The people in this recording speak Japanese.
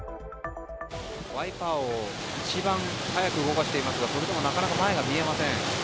ワイパーを一番早く動かしていますがそれでもなかなか前が見えません。